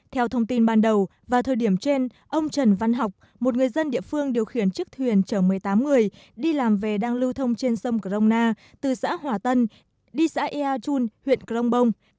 theo thông tin ban đầu vào thời điểm trên ông trần văn học một người dân địa phương điều khiển chiếc thuyền chở một mươi tám người đi làm về đang lưu thông trên sông crongna từ xã hòa tân đi xã ia chun huyện crong bông